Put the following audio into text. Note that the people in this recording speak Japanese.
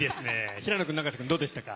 平野君、永瀬君、どうでしたか？